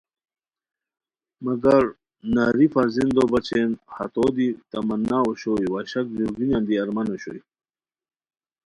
مگر ناری فرزندو بچین ہتو دی تمنا اوشوئے وا شک ژور گینیان دی ارمان اوشوئے